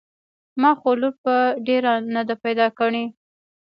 ما خو لور په ډېران نده پيدا کړې.